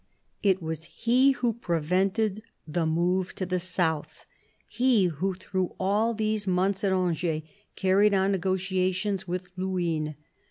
It was he who prevented the move to the South; he who, through all these months at Angers, carried on negotiations with Luynes.